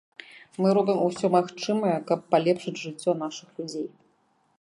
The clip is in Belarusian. Мы робім усё магчымае, каб палепшыць жыццё нашых людзей.